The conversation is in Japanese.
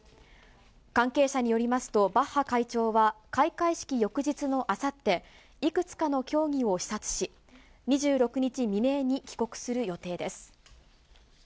関係者によりますと、バッハ会長は、開会式翌日のあさって、いくつかの競技を視察し、２６日未明に帰国する予定です。